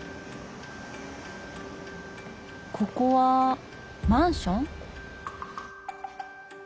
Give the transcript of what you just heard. ここはマンション？